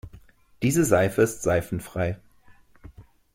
Diese Seife ist seifenfrei.